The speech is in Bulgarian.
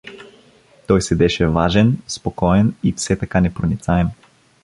Той седеше важен, спокоен и все така непроницаем.